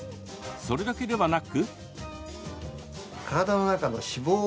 それだけではなく。